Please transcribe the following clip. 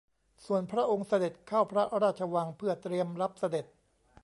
ส่วนพระองค์เสด็จเข้าพระราชวังเพื่อเตรียมรับเสด็จ